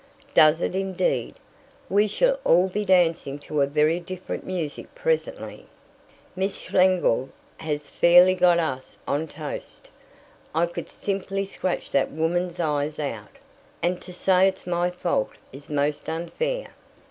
"Does it indeed? We shall all be dancing to a very different music presently. Miss Schlegel has fairly got us on toast." "I could simply scratch that woman's eyes out, and to say it's my fault is most unfair."